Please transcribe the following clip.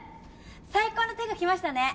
最高の手が来ましたね。